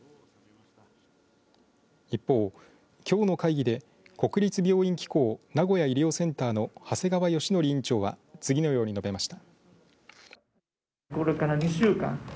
一方、きょうの会議で国立病院機構名古屋医療センターの長谷川好規院長は次のように述べました。